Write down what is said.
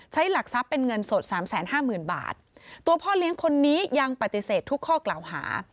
ใช้หลักทรัพย์เป็นเงินสด๓๕๐๐๐๐บาทตัวพ่อเลี้ยงคนนี้ยังปฏิเสธทุกข้อกล่าวหา